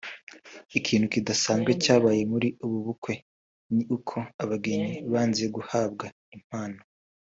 Ikintu kidasanzwe cyabaye muri ubu bukwe ni uko abageni banze guhabwa impano